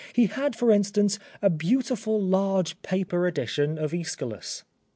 He had, for instance, a beautiful large paper edition of ^Eschylus."